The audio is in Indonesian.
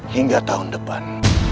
hingga tahun depan